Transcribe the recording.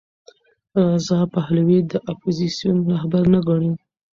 رضا پهلوي د اپوزېسیون رهبر نه ګڼي.